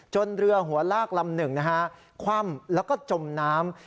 เรือหัวลากลำหนึ่งนะฮะคว่ำแล้วก็จมน้ำ